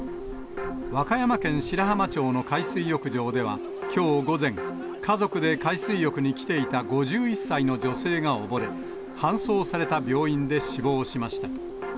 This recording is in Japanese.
和歌山県白浜町の海水浴場では、きょう午前、家族で海水浴に来ていた５１歳の女性が溺れ、搬送された病院で死亡しました。